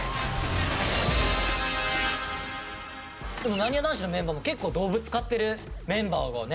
なにわ男子のメンバーも結構動物飼ってるメンバーがね。